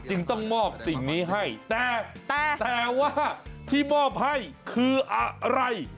จึงต้องมอบสิ่งนี้ให้แต่แต่ว่าที่มอบให้คืออะไร